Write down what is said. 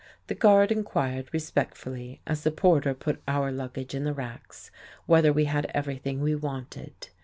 The guard inquired respectfully, as the porter put our new luggage in the racks, whether we had everything we wanted.